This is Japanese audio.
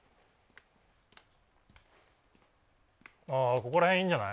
ここら辺、いるんじゃない？